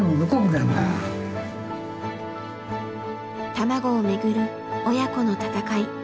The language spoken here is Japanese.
卵をめぐる親子の闘い。